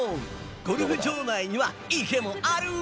ゴルフ場内には池もある！